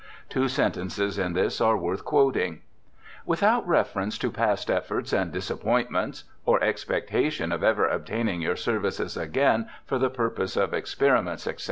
Two sentences in this are worth quoting : 'Without reference to past efforts and disappoint ments—or expectation of ever obtaining your services again for the purpose of experiments, etc.